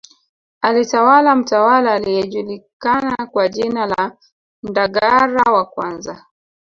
Alitawala mtawala aliyejulikana kwa jina la Ndagara wa kwanza